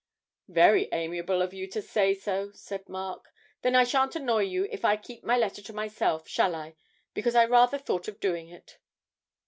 'Very amiable of you to say so,' said Mark. 'Then I shan't annoy you if I keep my letter to myself, shall I? Because I rather thought of doing it.'